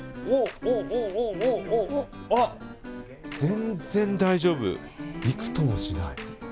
全然大丈夫、びくともしない。